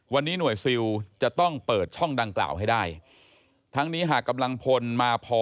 วันนี้หน่วยซิลจะต้องเปิดช่องดังกล่าวให้ได้ทั้งนี้หากกำลังพลมาพอ